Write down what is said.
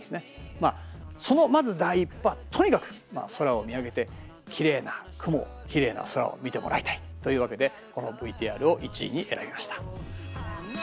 まあそのまず第一歩はとにかく空を見上げてきれいな雲をきれいな空を見てもらいたい。というわけでこのＶＴＲを１位に選びました。